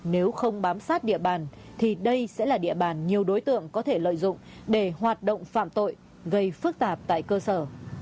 nếu không bám sát địa bàn thì đây sẽ là địa bàn nhiều đối tượng có thể lợi dụng để hoạt động phạm tội gây phức tạp tại cơ sở